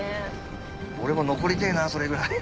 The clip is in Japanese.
俺も残りてぇなそれぐらい。